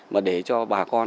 mà để cho bà con